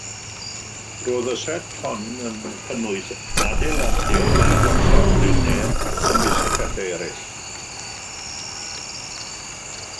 Roedd y set hon yn cynnwys adeiladau a gorsaf drenau, ymysg pethau eraill.